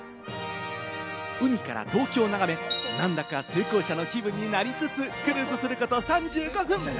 海から東京を眺め、なんだか成功者の気分になりつつ、クルーズすること３５分。